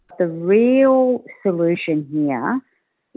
keseluruhan solusi di sini adalah